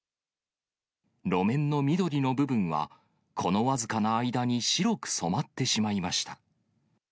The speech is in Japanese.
路面の緑の部分は、この僅かな間に白く染まってしまいました。